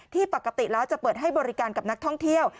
ปกติแล้วจะเปิดให้บริการกับนักท่องเที่ยว